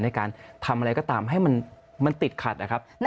ในการทำอะไรก็ตามให้มันติดขัดนะครับ